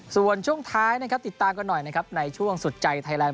ส่วนช่วงท้ายติดตามกันหน่อยช่วงสุดใจไทยแลนด์